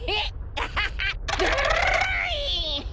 アハハハ！